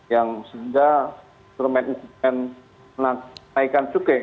yang sehingga permen permen menaikkan cukai